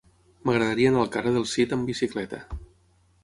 M'agradaria anar al carrer del Cid amb bicicleta.